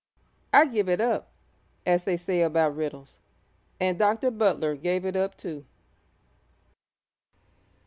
'I give it up,' as they say about riddles; and Dr. Butler 'gave it up,' too.